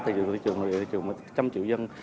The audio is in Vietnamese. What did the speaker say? thị trường nội địa là thị trường một trăm linh triệu dân